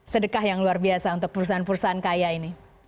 sedekah yang luar biasa untuk perusahaan perusahaan kaya ini